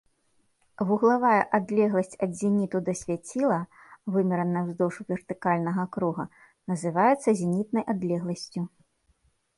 Вуглавая адлегласць ад зеніту да свяціла, вымераная ўздоўж вертыкальнага круга, называецца зенітнай адлегласцю.